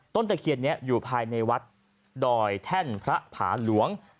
ตะเคียนนี้อยู่ภายในวัดดอยแท่นพระผาหลวง